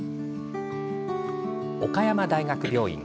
岡山大学病院。